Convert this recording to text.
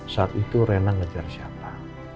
saat itu rena ngejar siapa